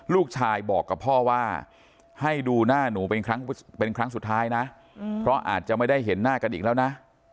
ลูกชายบอกกับพ่อว่าให้ดูหน้าหนูเป็นครั้งเป็นครั้งสุดท้ายนะเพราะอาจจะไม่ได้เห็นหน้ากันอีกแล้วนะ